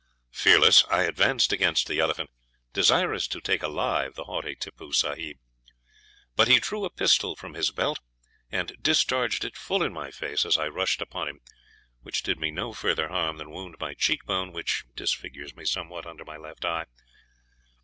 Fearless I advanced against the elephant, desirous to take alive the haughty Tippoo Sahib; but he drew a pistol from his belt, and discharged it full in my face as I rushed upon him, which did me no further harm than wound my cheek bone, which disfigures me somewhat under my left eye.